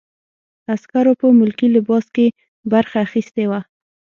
عسکرو په ملکي لباس کې برخه اخیستې وه.